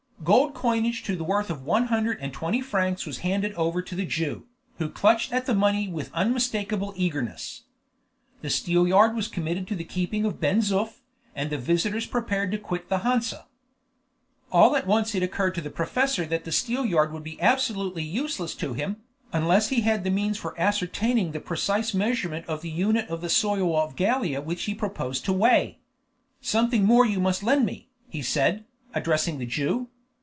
Gold coinage to the worth of one hundred and twenty francs was handed over to the Jew, who clutched at the money with unmistakable eagerness. The steelyard was committed to the keeping of Ben Zoof, and the visitors prepared to quit the Hansa. All at once it occurred to the professor that the steelyard would be absolutely useless to him, unless he had the means for ascertaining the precise measurement of the unit of the soil of Gallia which he proposed to weigh. "Something more you must lend me," he said, addressing the Jew.